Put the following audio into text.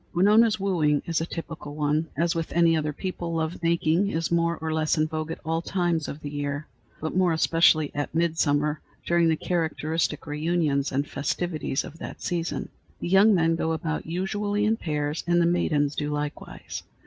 Winona's wooing is a typical one. As with any other people, love making is more or less in vogue at all times of the year, but more especially at midsummer, during the characteristic reunions and festivities of that season. The young men go about usually in pairs, and the maidens do likewise.